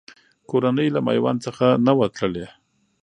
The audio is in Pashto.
کورنۍ یې له میوند څخه نه وه تللې.